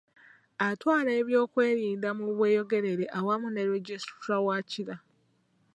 Atwala ebyokwerinda mu Bweyogerere awamu ne Registrar wa Kira.